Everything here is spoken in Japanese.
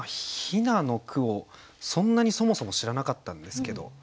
「雛」の句をそんなにそもそも知らなかったんですけど。